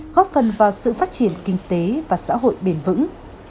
góp phần vào sự phát triển kinh tế và xã hội bền vững